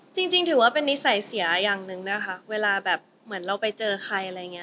จริงถือว่าเป็นนิสัยเสียอย่างหนึ่งนะคะเวลาแบบเหมือนเราไปเจอใครอะไรอย่างนี้